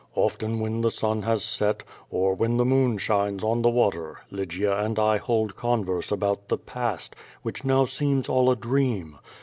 Often when tlie sun has set, or when the moon shines on the water, Lygia and I hold converse about the past, which now seems all a dream.